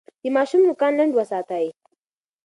د ماشوم نوکان لنډ وساتئ.